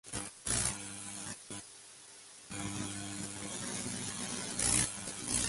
Los videos muestran la confrontación y el tiroteo a quemarropa.